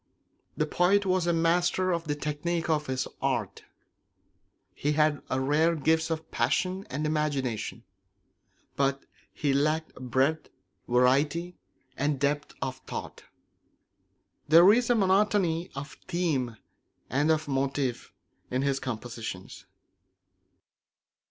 The poet was a master of the technique of his art; he had rare gifts of passion and imagination; but he lacked breadth, variety, and depth of thought. There is a monotony of theme and of motive in his compositions.